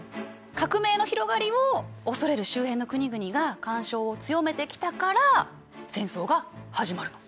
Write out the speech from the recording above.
革命の広がりを恐れる周辺の国々が干渉を強めてきたから戦争が始まるの。